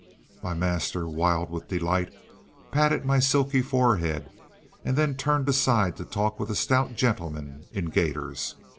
My master, wild with delight, patted my silky forehead, and then turned aside to talk with a stout gentleman in gaiters.